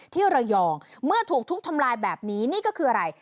ที่ระยองเมื่อถูกทุบทำลายแบบนี้นี่ก็คืออะไร